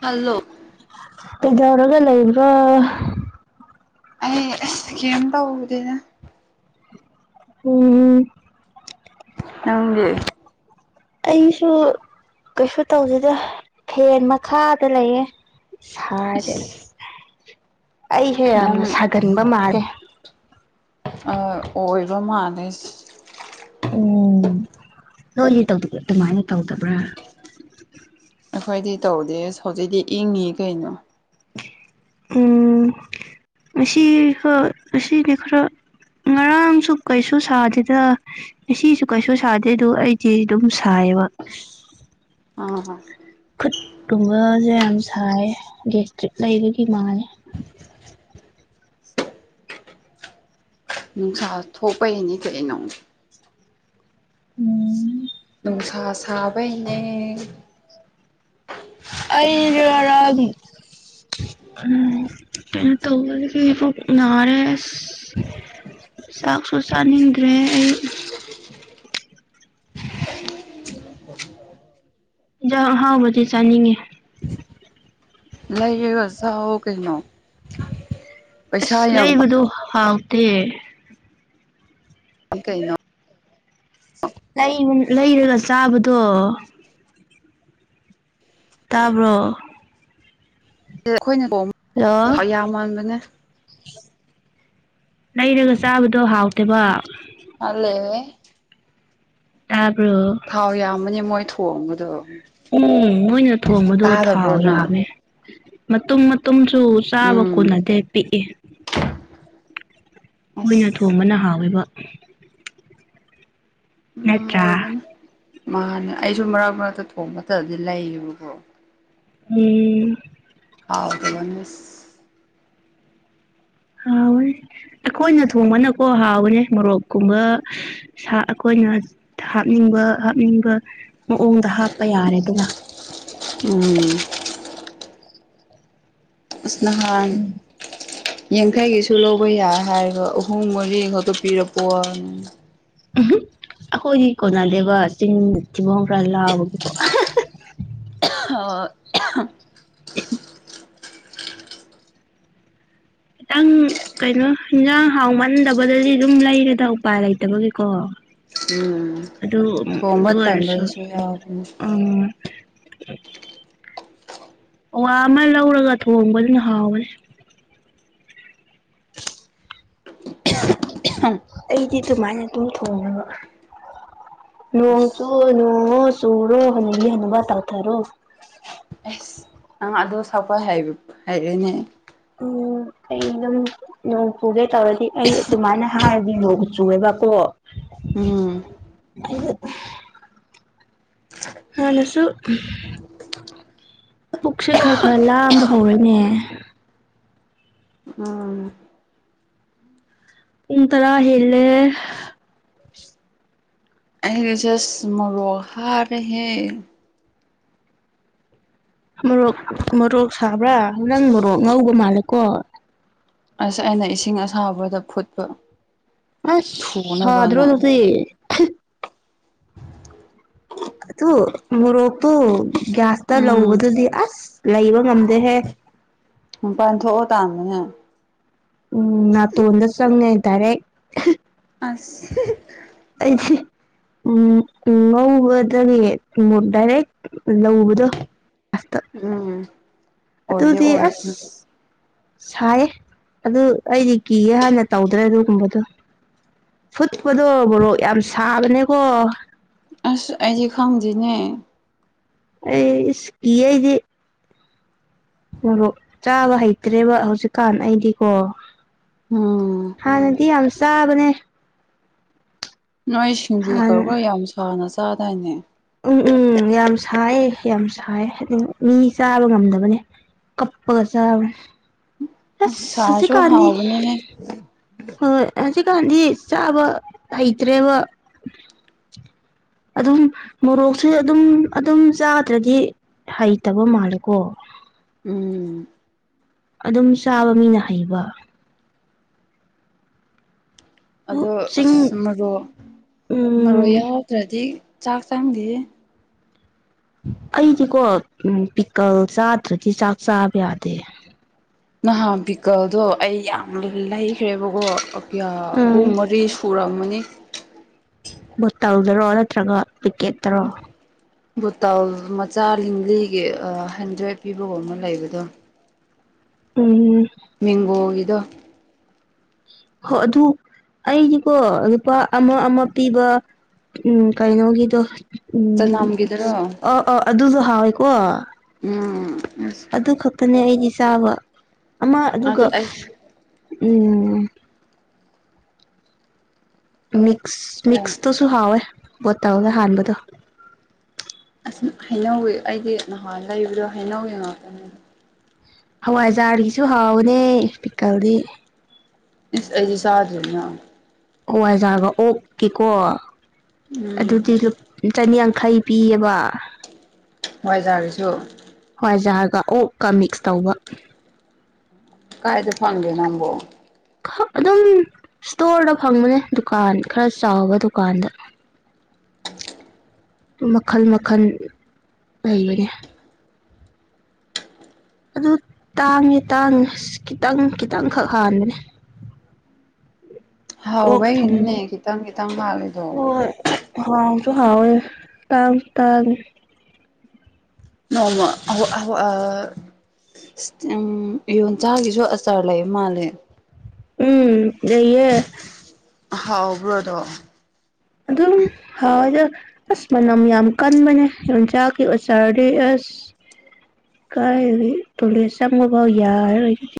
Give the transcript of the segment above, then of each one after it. hello ꯀꯩꯗꯧꯔꯒ ꯂꯩꯕ꯭ꯔꯣ ꯑꯩ ꯑꯦꯁ ꯈꯦꯝ ꯇꯧꯗꯦꯗ ꯎꯝ ꯅꯪꯗꯤ ꯑꯩꯁꯨ ꯀꯩꯁꯨ ꯇꯧꯗꯦ ꯐꯦꯟ ꯃꯈꯥꯗ ꯂꯩꯌꯦ ꯁꯥꯔꯗꯤ ꯑꯁ ꯑꯩꯁꯦ ꯅꯪ ꯌꯥꯝꯅ ꯁꯥꯒꯟꯕ ꯃꯥꯜꯂꯦ ꯑꯣꯏꯕ ꯃꯥꯥꯟꯅꯩ ꯎꯝ ꯅꯣꯏꯗꯤ ꯇꯧꯗ ꯑꯗꯨꯃꯥꯏ ꯇꯧꯗꯕ꯭ꯔꯥ ꯑꯩꯈꯣꯏꯗꯤ ꯇꯧꯗꯦ ꯍꯧꯖꯤꯛꯇꯤ ꯏꯪꯉꯤ ꯀꯩꯅꯣ ꯎ ꯑꯁꯤ ꯈ ꯑꯁꯤꯅꯤ ꯈꯔ ꯉꯔꯥꯡꯁꯨ ꯀꯩꯁꯨ ꯁꯥꯗꯦꯗ ꯑꯁꯤꯁꯨ ꯀꯩꯁꯨ ꯁꯥꯗꯦ ꯑꯗꯨ ꯑꯩꯗꯤ ꯑꯗꯨꯝ ꯁꯥꯏꯌꯦꯕ ꯑꯥ ꯈꯨꯠꯀꯨꯝꯕꯁꯦ ꯌꯥꯝ ꯁꯥꯏꯌꯦ ꯒꯦꯁꯇ꯭ꯔꯤꯠ ꯂꯩꯕꯒꯤ ꯃꯥꯜꯂꯦ ꯅꯨꯡꯁꯥ ꯊꯣꯛꯄꯩꯅꯤ ꯀꯩꯅꯣ ꯎꯝ ꯅꯨꯡꯁꯥ ꯁꯕꯩꯅꯦ ꯑꯩꯗꯣ ꯉꯔꯥꯡ ꯎꯝ ꯀꯩꯅ ꯇꯧꯕꯣ ꯃꯥꯔꯦ [inaudible] ꯆꯥꯛꯁꯨ ꯆꯥꯅꯤꯡꯈ꯭ꯔꯦ ꯑꯩ ꯍꯥꯎꯕꯗꯤ ꯆꯥꯅꯤꯡꯉꯤ ꯂꯩꯌꯦꯒꯁꯑꯣ ꯀꯩꯅꯩꯅꯣ ꯑꯁ ꯂꯩꯕꯗꯣ ꯍꯥꯎꯇꯦ ꯀꯩꯅꯣ ꯂꯩꯔꯒ ꯆꯥꯕꯗꯣ ꯇꯥꯕ꯭ꯔꯣ ꯑꯩꯈꯣꯏꯅ ꯍꯜꯂꯣ ꯌꯥꯝ ꯃꯥꯟꯕꯅꯦ ꯂꯩꯔꯒ ꯆꯥꯕꯗꯣ ꯍꯥꯎꯇꯦꯕ ꯑꯂꯦ [inaudible] ꯇꯥꯕꯔꯣ ꯊꯥꯎ ꯌꯥꯝꯕꯅꯤ ꯃꯣꯏ ꯊꯣꯡꯕꯗꯣ ꯎꯝ ꯃꯣꯏꯅ ꯊꯣꯡꯕꯗꯣ ꯊꯥꯎ ꯇꯥꯗꯕ꯭ꯔꯣ ꯅꯪ ꯌꯥꯝꯃꯦ ꯃꯇꯨꯝ ꯑꯗꯨꯨꯝꯁꯨ ꯆꯥꯕ ꯎꯝ ꯀꯣꯟꯅꯗꯤꯦ ꯄꯤꯛꯏ ꯀꯣꯏꯅ ꯑꯁ ꯊꯣꯡꯕꯅ ꯍꯥꯎꯋꯦꯕ ꯎꯝ ꯅꯠꯇ꯭ꯔꯥ ꯑꯣꯏꯕꯅꯤ ꯃꯥꯅꯦ ꯑꯩꯁꯨ ꯃꯔꯛ ꯃꯔꯛꯇ ꯊꯣꯡꯕ ꯃꯇꯝꯗꯤ ꯂꯩꯌꯦꯕꯀꯣ ꯎꯝ ꯍꯥꯎꯇꯕꯅꯦ ꯍꯥꯎꯋꯅꯤ ꯑꯩꯈꯣꯏꯅ ꯊꯣꯡꯕꯅꯀꯣ ꯍꯥꯎꯕꯅꯦ ꯃꯣꯔꯣꯛꯀꯨꯝꯕ ꯑꯩꯈꯣꯏꯅ ꯍꯥꯞꯅꯤꯡꯕ ꯍꯥꯞꯅꯤꯡꯕ ꯃꯑꯣꯡꯗ ꯍꯥꯞꯄ ꯌꯥꯔꯦꯗꯅ ꯎꯝ ꯏꯁ ꯅꯍꯥꯜ ꯌꯥꯡꯈꯩꯒꯤꯁꯨ ꯂꯧꯕ ꯌꯥꯏ ꯍꯥꯏꯔꯒ ꯑꯍꯨꯝ ꯃꯔꯤ ꯈꯛꯇꯄꯤꯔꯛꯄꯑꯣ ꯑꯩꯈꯣꯏꯗꯤ ꯀꯣꯟꯅꯗꯦꯕ ꯆꯤꯡ ꯊꯤꯕꯣꯡ ꯈꯔ ꯂꯥꯎꯕꯒꯤꯀꯣ ꯑ [unintelligible] ꯈꯤꯇꯪ ꯀꯩꯅꯣ ꯏꯟꯖꯥꯡ ꯍꯥꯎꯃꯟꯗꯕꯗꯗꯤ ꯑꯗꯨꯝ ꯂꯩꯔꯦꯗ ꯎꯄꯥꯏ ꯂꯩꯇꯕꯒꯤꯀꯣ ꯎꯝ ꯑꯗꯨ ꯊꯣꯡꯕ ꯑꯗꯨ ꯑꯣꯏꯔꯁꯨ ꯇꯟꯕꯗꯁꯨ ꯌꯥꯎꯕꯅꯦ ꯎꯝ ꯋꯥ ꯑꯃ ꯂꯧꯔꯒ ꯊꯣꯡꯕꯗꯨꯅ ꯍꯥꯎꯋꯦ [inaudible] ꯍꯣꯏ [inaudible] ꯑꯩꯗꯤ ꯑꯗꯨꯃꯥꯏꯅ ꯑꯗꯨꯝ ꯊꯣꯡꯉꯕ ꯅꯣꯡ ꯆꯨ ꯑꯁ ꯅ‌ꯣꯡ ꯑꯣ ꯆꯨꯨꯔꯣ ꯍꯒꯤ ꯍꯅꯨꯕ ꯇꯧ ꯇꯔꯣ ꯑꯁ ꯅꯪ ꯑꯗꯣ ꯁꯄ ꯍꯥꯏꯔ‌ꯦꯅꯦ ꯎꯝ ꯑꯩ ꯑꯗꯨꯝ ꯅꯣꯡ ꯄꯨꯒꯦ ꯇꯧꯔꯗꯤ ꯑꯩ ꯑꯗꯨꯃꯥꯏꯅ ꯍꯥꯏꯔꯗꯤ ꯅꯣ ꯆꯨꯔꯒꯀꯣ ꯎꯝ ꯍꯟꯅꯁꯨ ꯄꯨꯛꯁꯦ ꯈꯔ ꯈꯔ ꯂꯥꯝꯕ ꯍꯧꯔꯅꯦ ꯎꯝ ꯀꯟ ꯇꯔꯥ ꯍꯂ‌ꯦ ꯑꯖꯁ ꯃꯔꯣꯍꯔ ꯍꯦ ꯃꯣꯔꯣꯛ ꯃꯣꯔꯣꯛ ꯁꯥꯕ꯭ꯔꯥ ꯅꯪ ꯃꯣꯔꯣꯛ ꯉꯧꯕ ꯃꯥꯜꯂꯦꯀꯣ ꯑꯁ ꯑꯩꯅ ꯏꯁꯤꯡ ꯑꯁꯥꯎꯕꯗ ꯐꯨꯠꯄ ꯑꯁ ꯁꯥꯗ꯭ꯔꯣ ꯊꯨꯅꯕꯅ ꯑꯗꯨꯁ ꯑꯗꯨ ꯃꯣꯔꯣꯛꯇꯨ ꯒ꯭ꯌꯥꯁꯇ ꯎꯝ ꯂꯧꯕꯗꯨꯗꯤ ꯑꯁ ꯂꯩꯕ ꯉꯝꯗꯦꯍꯦ ꯃꯄꯟ ꯊ‌ꯣꯛ ꯑꯣ ꯇꯥꯟꯕꯅ‌ꯦ ꯎꯝ ꯅꯇꯣꯗ ꯆꯪ ꯑꯦ ꯗꯥꯏꯔꯛ ꯑꯁ ꯑꯩꯗꯤ ꯎꯝ ꯉꯕꯗꯗꯥꯏꯔꯦ ꯂꯧꯕꯗꯣ ꯑ ꯎꯝ ꯑꯣꯏꯗꯤ ꯇꯗꯤ ꯑꯣꯏꯕꯅꯦ ꯑꯁ ꯁꯥꯏꯌꯦ ꯑꯗꯨ ꯑꯩꯗꯤ ꯀꯤꯒꯦ ꯍꯥꯟꯅ ꯇꯧꯗ꯭ꯔꯦ ꯑꯗꯨꯒꯨꯝꯕꯗꯣ ꯐꯨꯠꯄꯗꯣ ꯃꯕꯣꯔꯣꯛ ꯌꯥꯝ ꯁꯥꯕꯅꯦꯀꯣ ꯑꯁ ꯑꯩꯗꯤ ꯈꯪꯗꯦꯅꯦ ꯑꯩ ꯏꯁꯀꯤꯌ‌ꯦ ꯑꯩꯗꯤ ꯃꯣꯔꯣꯛ ꯆꯥꯕ ꯍꯩꯇ꯭ꯔꯦꯕ ꯍꯧꯖꯤꯛꯀꯥꯟ ꯑꯩꯗꯤꯀꯣ ꯎꯝ ꯍ ꯟꯅꯗꯤ ꯌꯥꯝ ꯆꯥꯕꯅ‌ꯦ ꯅꯣꯏ ꯁꯤꯡꯖꯨ ꯍꯥꯟꯅ ꯇꯧꯔꯒ ꯌꯥꯝ ꯁꯥꯅ ꯆꯥꯗꯥꯏꯅꯦ ꯎꯝ ꯎꯝ ꯌꯥꯝ ꯁꯥꯏ ꯌꯥꯝ ꯁꯥꯏ ꯍꯥꯏꯗꯤ ꯃꯤ ꯆꯥꯕ ꯉꯝꯗꯕꯅꯦ ꯀꯞꯄ ꯆꯥꯕꯅ‌ꯦ ꯑꯁ ꯁꯥꯔꯁꯨ ꯍꯧꯖꯤꯛꯀꯜꯗꯤ ꯍꯥꯎꯕꯅꯦꯍꯦ ꯍꯣꯏ ꯍꯧꯖꯤꯛꯀꯥꯟꯗꯤ ꯆꯥꯕ ꯍꯩꯇ꯭ꯔꯦꯕ ꯑꯗꯨꯝ ꯃꯣꯔꯣꯛꯁꯦ ꯑꯗꯨꯝ ꯑꯗꯨꯝ ꯆꯥꯗ꯭ꯔꯗꯤ ꯍꯩꯇꯕ ꯃꯥꯜꯂꯦꯀꯣ ꯎꯝ ꯑꯗꯨꯝ ꯆꯥꯕ ꯃꯤꯅ ꯍꯩꯕ ꯑꯗꯣ ꯆꯤꯡ ꯑꯁ ꯃꯔꯣꯛ ꯃꯔꯣꯏ ꯎꯝ ꯌꯥꯎꯗ꯭ꯔꯗꯤ ꯆꯥꯛ ꯆꯥꯡꯗꯤ ꯑꯩꯗꯤꯀꯣ ꯄꯤꯀꯜ ꯆꯥꯗ꯭ꯔꯗꯤ ꯆꯥꯛ ꯆꯥꯕ ꯌꯥꯗꯦ ꯅꯍꯥ ꯄꯤꯀꯜꯗꯣ ꯑꯩ ꯌꯥꯝ ꯂꯩꯈ꯭ꯔꯦꯕꯀꯣ ꯑꯍꯨꯝ ꯎꯝ ꯃꯔꯤ ꯁꯨꯔꯝꯃꯅꯤ ꯕꯣꯇꯜꯗꯔꯣ ꯅꯠꯇ꯭ꯔꯒ ꯄꯤꯛꯀꯦꯠꯇꯔꯣ ꯕꯨꯇꯥꯜ ꯃꯆꯥ ꯂꯤꯡꯂꯤꯒꯤ ꯍꯟꯗ꯭ꯔꯦꯠ ꯄꯤꯕꯒ ꯑꯃ ꯂꯩꯕꯗꯣ ꯎꯝ ꯃꯦꯡꯒꯣ ꯒꯤꯗꯣ ꯍꯣ ꯑꯗꯨ ꯑꯩꯗꯤꯀꯣ ꯂꯨꯄꯥ ꯑꯃ ꯑꯃ ꯄꯤꯕ ꯎꯝ ꯀꯩꯅꯣꯒꯤꯗꯣ ꯎꯝ ꯆꯅꯝꯒꯤꯗꯨꯔꯣ ꯑ ꯑ ꯑꯗꯨꯁꯨ ꯍꯥꯎꯋꯦꯀꯣ ꯎꯝ ꯑꯁ ꯑꯗꯨ ꯈꯛꯇꯅꯦ ꯑꯩꯗꯤ ꯆꯥꯕ ꯑꯃ ꯑꯗꯨꯒ ꯑꯗꯨ ꯑꯩ ꯎꯝ ꯃꯤꯛꯁ ꯃꯤꯛꯁꯇꯨꯁꯨ ꯍꯥꯎꯋꯦ ꯕꯣꯇꯜꯗ ꯍꯥꯟꯕꯗꯣ ꯑꯁ ꯍꯩꯅꯧ ꯑꯩꯒꯤ ꯅꯍꯥꯟꯋꯥꯢ ꯂꯩꯕꯗꯣ ꯍꯩꯅꯧ ꯌꯦꯡꯉꯛꯄꯅꯤꯅꯦ ꯍꯋꯥꯏꯖꯥꯔꯒꯤꯁꯨ ꯍꯥꯎꯕꯅꯦ ꯄꯤꯀꯜꯗꯤ ꯏꯁ ꯑꯩꯗꯤ ꯆꯥꯗꯔꯤꯅ ꯍꯋꯥꯢꯒ ꯑꯣꯛꯀꯦꯀꯣ ꯑꯗꯨꯗꯤ ꯎꯝ ꯂꯨꯞ ꯆꯅꯤꯌꯥꯡꯈꯩ ꯄꯤꯌꯦꯕ ꯍꯥꯋꯥꯏ ꯖꯥꯔꯁꯨ ꯍꯣꯏꯖꯥꯔꯒ ꯑꯣꯛꯀ ꯃꯤꯛꯁ ꯇꯧꯕ ꯀꯥꯏꯗ ꯐꯪꯒꯦ ꯅꯪꯕꯨ ꯑꯗꯨꯝ ꯏꯁꯇꯣꯔꯗ ꯐꯪꯕꯅꯦ ꯗꯨꯀꯥꯟ ꯈꯔ ꯆꯥꯎꯕ ꯗꯨꯀꯥꯟꯗ [unintelligible] ꯃꯈꯜ ꯃꯈꯜ ꯂꯩꯕꯅꯦ ꯑꯗꯨ ꯇꯥꯡꯉꯦ ꯇꯥꯡꯉꯦ ꯑꯁ ꯈꯤꯇꯪ ꯈꯤꯇꯪꯈꯛ ꯍꯥꯟꯕꯅꯦ ꯑꯣꯛ ꯊꯝ ꯍꯥꯎꯕꯩꯒꯤꯅꯤꯅꯦ ꯈꯤꯇꯪ ꯈꯤꯇꯪ ꯍꯥꯜꯂꯤꯗꯣ ꯍꯣꯢ ꯍ ꯍꯥꯎꯦ ꯇꯥꯡ ꯇꯥꯡ ꯅꯃ ꯑ ꯎꯝ ꯌꯣꯟꯆꯥꯛꯒꯤꯁꯨ ꯑꯆꯥꯔ ꯂꯩ ꯃꯥꯜꯂꯦ ꯎꯝ ꯂꯩꯌꯦ ꯍꯥꯎꯕ꯭ꯔꯣꯗꯣ ꯑꯗꯨꯝ ꯍꯥꯎ ꯑꯁ ꯃꯅꯝ ꯌꯥꯝ ꯀꯟꯕꯅꯦ ꯌꯣꯡꯆꯥꯛꯀꯤ ꯑꯣꯖꯥꯔꯗꯤ ꯑꯁ ꯀꯥꯏ ꯇꯣꯂꯦ ꯆꯪꯉꯐꯥꯎ ꯌꯥꯔꯔꯣꯏꯒꯗꯤ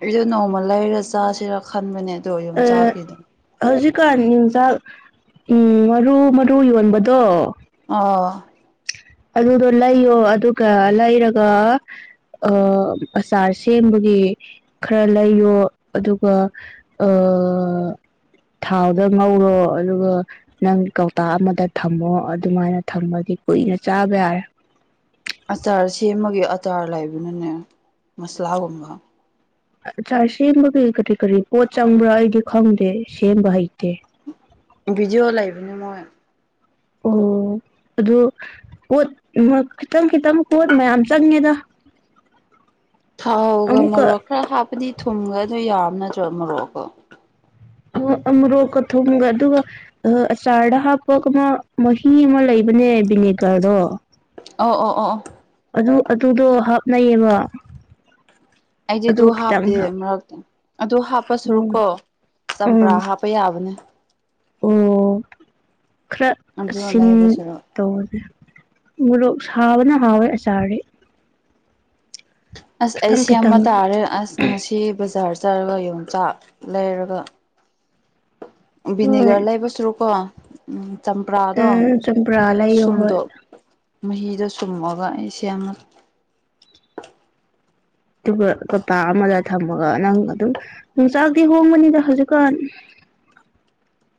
ꯑꯩꯁꯨ ꯅꯣꯡꯃ ꯂꯩꯔ ꯆꯥꯁꯤꯔꯥ ꯈꯟꯕꯅꯦ ꯑꯗꯣ ꯌꯣꯟ ꯑꯥ ꯆꯥꯈꯤꯗ ꯍꯧꯖꯤꯛꯀꯥꯟ ꯌꯟꯖꯥꯛ ꯎꯝ ꯃꯔꯨ ꯃꯔꯨ ꯌꯣꯟꯕꯗꯣ ꯑꯥꯎ ꯑꯗꯨꯗꯣ ꯂꯩꯌꯣ ꯑꯗꯨꯒ ꯂꯩꯔꯒ ꯑ ꯑꯆꯥꯔ ꯁꯦꯝꯕꯒꯤ ꯈꯔ ꯂꯩꯌꯣ ꯑꯗꯨꯒ ꯑ ꯊꯥꯎꯗ ꯉꯧꯔꯣ ꯑꯗꯨꯒ ꯅꯪ ꯀꯧꯇꯥ ꯑꯃꯗ ꯊꯝꯃꯣ ꯑꯗꯨꯃꯥꯏꯅ ꯊꯝꯕꯗꯤ ꯀꯨꯏꯅ ꯆꯥꯕ ꯌꯥꯔꯦ ꯑꯆꯥꯔ ꯁꯦꯝꯃꯒꯤ ꯑꯇꯥꯔ ꯂꯩꯕꯅꯅꯦ ꯃꯁꯂꯥꯒꯨꯝꯕ ꯆꯔ ꯁꯦꯝꯕꯒꯤ ꯀꯔꯤ ꯀꯔꯤ ꯄꯣꯠ ꯆꯪꯕ꯭ꯔꯥ ꯑꯩꯗꯤ ꯈꯪꯗꯦ ꯁꯦꯝꯕ ꯍꯩꯇꯦ ꯕꯤꯗꯤꯑꯣ ꯂꯩꯥꯏ ꯄ ꯃꯣꯏ ꯑꯣ ꯑꯗꯨꯗꯣ ꯀꯣꯠ ꯈꯤꯇꯪ ꯈꯤꯇꯪ ꯀꯣꯠ ꯃꯌꯥꯝ ꯆꯪꯉꯦꯗ ꯊꯥꯎꯒ ꯑꯃꯨꯛꯀ ꯃꯣꯔꯣꯛ ꯈꯔ ꯍꯥꯞꯄꯗꯤ ꯊꯨꯝꯒ ꯑꯗꯨ ꯌꯥꯎꯔꯝ ꯅꯠꯇ꯭ꯔꯣ ꯃꯣꯔꯣꯛꯀꯣ ꯑꯣ ꯑꯃꯨꯔꯣꯛꯀ ꯊꯨꯝꯃꯒ ꯑꯗꯨꯒ ꯑ ꯑꯆꯥꯥꯔ ꯍꯥꯞꯄꯒ ꯃꯥ ꯃꯍꯤ ꯑꯃꯥ ꯂꯩꯕꯅꯦ ꯕꯤꯅꯦꯒꯔꯗꯣ ꯑꯣ ꯑꯣ ꯑꯣ ꯑꯣ ꯑꯗꯨ ꯑꯗꯨꯗꯣ ꯍꯥꯞꯅꯩꯌꯦꯕ ꯑꯩꯗꯤ ꯑꯗꯨ ꯈꯤꯇꯪ ꯍꯥꯞꯇꯦ ꯍꯥꯞ ꯃꯔꯛꯇ ꯑꯗꯨ ꯍꯥꯞꯄ ꯁꯔꯨꯛꯀꯣ ꯎꯝ ꯆꯝꯄ꯭ꯔꯥꯄ ꯌꯥꯕꯅꯦ ꯑꯣ ꯈꯔ ꯑꯗꯨ ꯁꯤꯟ ꯂꯩꯕ ꯁꯔꯨꯛ ꯇꯧꯔꯗ‌ꯦ ꯃꯣꯔꯣꯛ ꯁꯥꯕꯅ ꯍꯥꯎꯋꯦ ꯑꯆꯥꯔꯗꯤ ꯑꯁ ꯑꯩ ꯈꯤꯇꯪ ꯈꯤꯇꯪ ꯁꯦꯝꯕ ꯇꯥꯔꯦ ꯑꯁ ꯉꯁꯤ ꯕꯖꯥꯔ ꯆꯠꯔꯒ ꯌꯣꯡꯆꯥꯛ ꯂꯩꯔꯒ ꯍꯣꯏ ꯕꯤꯅꯦꯒꯔ ꯂꯩꯕꯁꯨ ꯔꯨꯀꯣ ꯎꯝ ꯆꯝꯄ꯭ꯔꯥꯗꯣ ꯎꯝ ꯆꯝꯄ꯭ꯔꯥ ꯂꯩꯌꯣ ꯍꯣꯏ ꯁꯨꯝꯗꯣꯛ ꯃꯍꯤꯗꯣ ꯁꯨꯝꯑꯒ ꯑꯩꯁꯦ ꯑꯃ ꯑꯗꯨꯒ ꯀꯄꯥ ꯑꯃꯗ ꯊꯝꯃꯒ ꯅꯪ ꯑꯗꯨꯝ ꯅꯨꯡꯆꯥꯛꯇꯤ ꯍꯣꯡꯕꯅꯤꯗ ꯍꯧꯖꯤꯛꯀꯥꯟ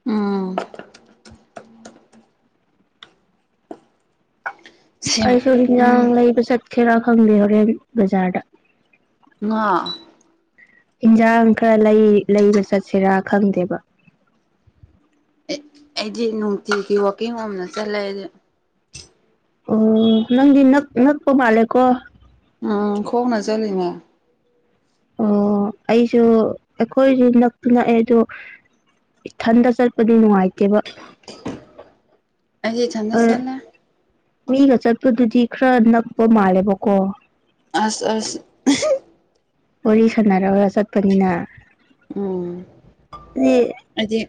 ꯎꯝ ꯁꯦꯝ ꯑꯩꯁꯨ ꯎꯝ ꯍꯤꯟꯖꯥꯡ ꯂꯩꯕ ꯆꯠꯀꯦꯔꯥ ꯈꯪꯗꯦ ꯍꯣꯔꯦꯟ ꯕꯖꯥꯔꯗ ꯉꯥ ꯏꯟꯖꯥꯡ ꯈꯔ ꯂꯩ ꯂꯩꯕ ꯆꯠꯁꯤꯔꯥ ꯈꯪꯗꯦꯕ ꯑꯩꯗꯤ ꯅꯨꯡꯇꯤꯒꯤ ꯋꯥꯛꯀꯤꯡ ꯍꯣꯝꯅ ꯆꯠꯂꯦ ꯑꯩꯗꯤ ꯑꯣ ꯅꯪꯗꯤ ꯅꯞ ꯅꯞꯄ ꯃꯥꯂꯦ ꯀꯣ ꯎꯝ ꯈ‌ꯣꯡꯅ ꯆꯠꯂꯤꯃ‌ꯦ ꯑꯣ ꯑꯩꯁꯨ ꯑꯩꯈꯣꯏꯁꯨ ꯅꯛꯇ ꯅꯛꯑꯦ ꯑꯗꯣ ꯏꯊꯟꯗ ꯆꯠꯄꯗꯤ ꯅꯨꯡꯉꯥꯏꯇꯦꯕ ꯑꯩꯩꯗꯤ ꯏꯊꯟꯗ ꯆꯠꯂꯦ ꯃꯤꯒ ꯆꯠꯄꯗꯨꯗꯤ ꯈꯔ ꯅꯛꯄ ꯃꯥꯜꯂꯦꯕꯀꯣ ꯑꯁ ꯑꯁ ꯋꯥꯔꯤ ꯁꯥꯟꯅꯔꯒ ꯆꯠꯄꯅꯤꯅ ꯎꯝ ꯑꯗꯨꯗꯤ ꯑꯩꯗꯤ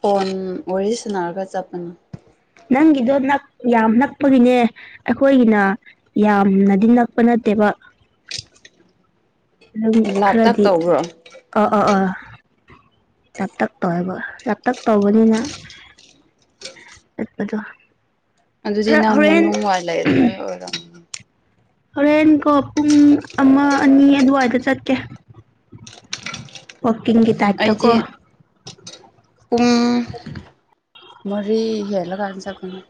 ꯐꯣꯟ ꯋꯥꯔꯤ ꯁꯥꯟꯅꯔꯒ ꯆꯠꯄꯅꯤ ꯅꯪꯒꯤꯗꯣ ꯅꯛ ꯌꯥꯝ ꯅꯛꯄꯒꯤꯅꯦ ꯑꯩꯈꯣꯏꯒꯤꯅ ꯌꯥꯝꯅꯗꯤ ꯅꯛꯄ ꯅꯠꯇꯦꯕ ꯑꯗꯨꯝ ꯂꯥꯞꯇꯛ ꯈꯔꯗꯤ ꯇꯧꯕ꯭ꯔꯣ ꯑ ꯑꯥ ꯑꯥ ꯂꯥꯞꯇꯛ ꯇꯧꯋꯦꯕ ꯂꯥꯞꯇꯛ ꯇꯧꯕꯅꯤꯅ ꯑ ꯑꯗꯨꯣ ꯑꯗꯨꯗꯤ ꯅꯪ ꯃꯅꯨꯡ ꯋꯥꯏ ꯂꯩꯔꯝꯕ ꯑꯣꯏꯔꯝꯣ ꯍꯣꯔꯦꯟꯀꯣ ꯄꯨꯡ ꯑꯃ ꯑꯅꯤ ꯑꯗꯨꯋꯥꯏꯗ ꯆꯠꯀꯦ ꯋꯥꯛꯀꯤꯡꯒꯤ ꯇꯥꯏꯞꯇꯀꯣ ꯑꯩꯗꯤ ꯄꯨꯡ ꯃꯔꯤ ꯍꯦꯂ ꯀꯥꯟ ꯆꯠꯄꯅꯦ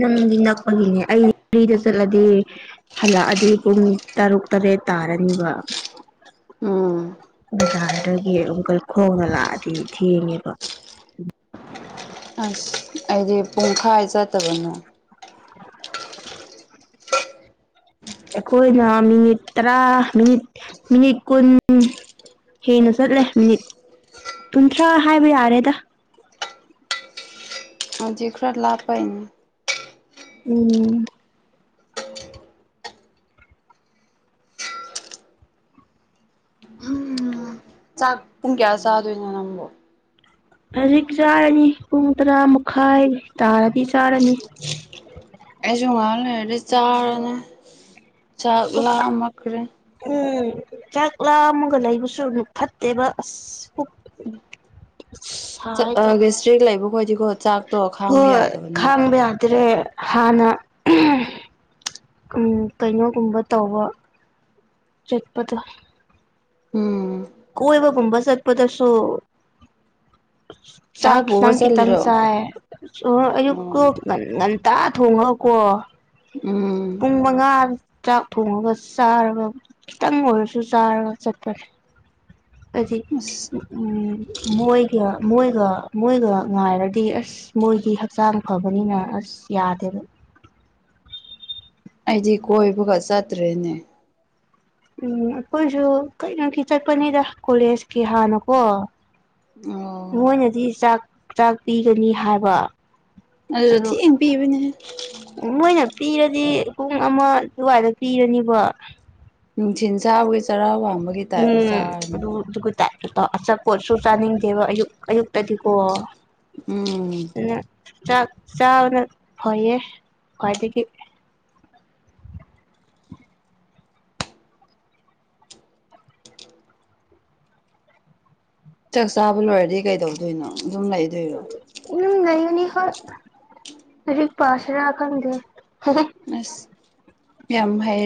ꯅꯪꯗꯤ ꯅꯛꯄꯒꯤꯅꯦ ꯑꯩꯗꯤ ꯔꯤꯗ ꯆꯠꯂꯗꯤ ꯍꯜꯂꯛꯑꯗꯤ ꯄꯨꯡ ꯇꯔꯨꯛ ꯇꯔꯦꯠ ꯇꯥꯔꯅꯤꯕ ꯎꯝ ꯕꯖꯥꯔꯗꯒꯤ ꯑꯃꯨꯀ ꯈꯣꯡꯅ ꯂꯥꯛꯑꯗꯤ ꯊꯦꯡꯉꯦꯕ ꯑꯁ ꯑꯩꯗꯤ ꯄꯨꯡꯈꯥꯏ ꯆꯠꯇꯕꯅꯣ [inaudible] ꯑꯩꯈꯣꯏꯅ ꯃꯤꯅꯤꯠ ꯇꯔꯥ ꯃꯤꯅꯤꯠ ꯃꯤꯅꯤꯠ ꯀꯨꯟ ꯍꯦꯟꯅ ꯆꯠꯂꯦ ꯃꯤꯅꯤꯠ ꯀꯨꯟꯊ꯭ꯔꯥ ꯍꯥꯏꯕ ꯌꯥꯔꯦꯗ ꯍꯧꯖꯤꯛ ꯈꯔ ꯂꯥꯞꯄꯩꯅꯤ ꯎꯝ ꯥꯆꯥꯛ ꯄꯨꯡ ꯀꯌꯥ ꯆꯥꯗꯣꯏꯅꯣ ꯅꯪꯕꯣ ꯍꯧꯖꯤꯛ ꯆꯥꯔꯅꯤ ꯄꯨꯡ ꯇꯔꯥ ꯃꯈꯥꯏ ꯇꯥꯔꯗꯤ ꯆꯥꯔꯅꯤ ꯑꯩꯁꯨ ꯉꯍꯥꯛ ꯂꯩꯔꯗꯤ ꯆꯥꯔꯅꯤ ꯆꯥꯛ ꯂꯥꯝ ꯃꯛꯈ꯭ꯔꯦ ꯎꯝ ꯆꯥꯛ ꯂꯥꯝꯃꯒ ꯂꯩꯕꯁꯨ ꯎꯝ ꯐꯠꯇꯦꯕ ꯑꯁ ꯄꯨꯛ ꯆꯛ ꯑ ꯁꯥꯏꯗꯣ ꯒ‌ꯦꯁꯇ꯭ꯔꯤ ꯂꯩꯕ ꯈꯣꯏꯗꯤ ꯀꯣ ꯆꯥꯛ ꯍꯣꯏ ꯈꯥꯡꯕ ꯌꯥꯗ꯭ꯔꯦ ꯍꯥꯟꯅ ꯎꯝ ꯎꯝ ꯀꯩꯅꯣꯒꯨꯝꯕ ꯇꯧꯕ ꯆꯠꯄꯗꯣ ꯎꯝ ꯀꯣꯏꯕ ꯒꯨꯝꯕ ꯆꯠꯄꯗꯁꯨ ꯆꯥꯛ ꯄꯨꯒ ꯈꯤꯠꯇꯪ ꯈꯤꯠꯇꯪ ꯆꯠꯂꯤꯔꯣ ꯆꯥꯏꯌꯦ ꯑꯣ ꯑꯣ ꯑꯌꯨꯛꯀꯣ ꯉꯟ ꯉꯟꯇꯥ ꯊꯣꯡꯍꯧꯀꯣ ꯎꯝ ꯄꯨꯡ ꯃꯉꯥ ꯆꯥꯛ ꯊꯣꯡꯉꯒ ꯆꯥꯔꯕ ꯈꯤꯇꯪ ꯑꯣꯏꯔꯁꯨ ꯆꯥꯔꯒ ꯆꯠꯄꯅꯦ ꯑꯗꯨ ꯑꯁ ꯃꯣꯏꯒ ꯃꯣꯏꯒ ꯃꯣꯏꯒ ꯉꯥꯏꯔꯗꯤ ꯑꯁ ꯃꯣꯏꯒꯤ ꯍꯛꯆꯥꯡ ꯐꯕꯅꯤꯅ ꯑꯁ ꯌꯥꯗꯦꯕ ꯑꯩꯗꯤ ꯀꯣꯏꯕꯒ ꯆꯠꯇ꯭ꯔꯦꯅꯦ ꯎꯝ ꯑꯩꯈꯣꯏꯁꯨ ꯀꯩꯅꯣꯒꯤ ꯆꯠꯄꯅꯤꯗ ꯀꯣꯂꯦꯖꯀꯤ ꯍꯥꯟꯅꯀꯣ ꯑꯣ ꯃꯣꯏꯅꯗꯤ ꯆꯥꯛ ꯆꯥꯛ ꯄꯤꯒꯅꯤ ꯍꯥꯏꯕ ꯑꯗꯨꯗ‌ꯣ ꯑꯗꯨ ꯊꯤꯡꯅ ꯄꯤꯕꯅꯦ ꯃꯣꯏꯅ ꯄꯤꯔꯗꯤ ꯄꯨꯡ ꯑꯃ ꯑꯗꯨꯋꯥꯏꯗ ꯄꯤꯔꯅꯤꯕ ꯅꯨꯡꯊꯤꯟ ꯆꯥꯕꯒꯤ ꯆꯔꯥ ꯋꯥꯡꯕꯒꯤ ꯇꯥꯏꯞꯇ ꯆꯥꯔꯅꯤꯅꯦ ꯗꯨꯒꯛꯇꯥꯏ ꯑꯄꯣꯠꯁꯨ ꯆꯥꯅꯤꯡꯗꯦꯕ ꯑꯌꯨꯛ ꯑꯌꯨꯛꯇꯗꯤꯀꯣ ꯎꯝ ꯑꯗꯨꯅ ꯆꯥꯛ ꯆꯥꯕꯅ ꯐꯩꯌꯦ ꯈ꯭ꯋꯥꯏꯗꯒꯤ ꯆꯥꯛ ꯆꯥꯕ ꯂꯣꯏꯔꯗꯤ ꯀꯩꯗꯧꯗꯣꯏꯅꯣ ꯑꯗꯨꯝ ꯂꯩꯗꯣꯏꯔꯣ ꯑꯗꯨ ꯂꯩꯒꯅꯤ ꯍ‌ꯣꯏ ꯂꯩꯔꯛ ꯄꯁꯤꯔ ꯈꯪꯗ‌ꯦ ꯑꯁ ꯌꯥꯝ ꯍꯥꯏ